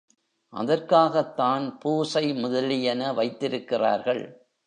அதற்காகத்தான் பூசை முதலியன வைத்திருக்கிறார்கள்.